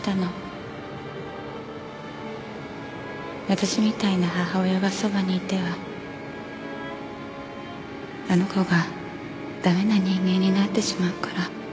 私みたいな母親がそばにいてはあの子が駄目な人間になってしまうから。